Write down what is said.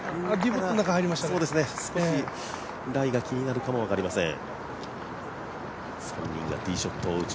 少しライが気になるかも分かりません。